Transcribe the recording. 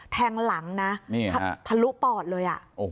แทงหลังนะถลุปอดเลย